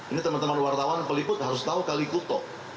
ini teman teman wartawan peliput harus tahu kalikupto